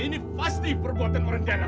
ini pasti perbuatan orang dalam